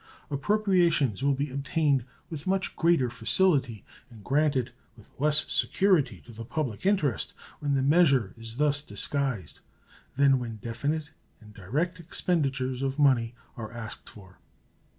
Appropriations will be obtained with much greater facility and granted with less security to the public interest when the measure is thus disguised than when definite and direct expenditures of money are asked for.